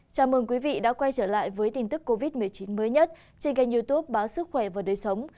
chào mừng quý vị đã quay trở lại với tin tức covid một mươi chín mới nhất trên kênh youtube báo sức khỏe và đời sống